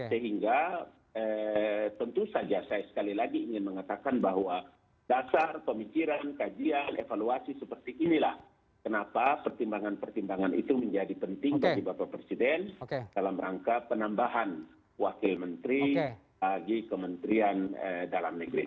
sehingga tentu saja saya sekali lagi ingin mengatakan bahwa dasar pemikiran kajian evaluasi seperti inilah kenapa pertimbangan pertimbangan itu menjadi penting bagi bapak presiden dalam rangka penambahan wakil menteri bagi kementerian dalam negeri